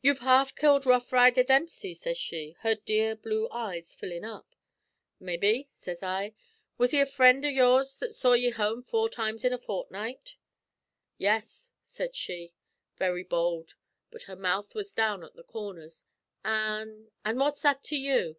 "'Ye've half killed rough rider Dempsey,' sez she, her dear blue eyes fillin' up. "'Maybe,' sez I. 'Was he a friend av yours that saw ye home four times in a fortnight?' "'Yes,' sez she, very bould; but her mouth was down at the corners. 'An' an' what's that to you?'